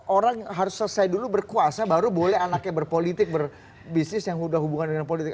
orang harus selesai dulu berkuasa baru boleh anaknya berpolitik berbisnis yang sudah hubungan dengan politik